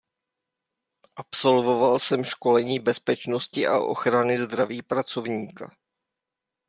Absolvoval jsem školení Bezpečnosti a ochrany zdraví pracovníka.